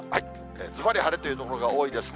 ずばり晴れという所が多いですね。